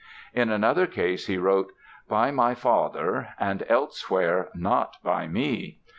In another case he wrote: "By my father", and elsewhere: "Not by me".